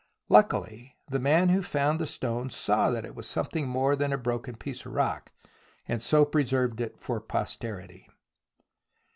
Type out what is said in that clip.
Luckily the man who found the stone saw that it was something more than a broken piece of rock, and so preserved it for pos terity.